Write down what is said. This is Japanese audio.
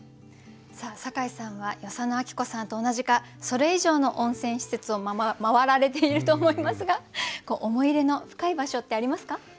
さあ酒井さんは与謝野晶子さんと同じかそれ以上の温泉施設を回られていると思いますが思い入れの深い場所ってありますか？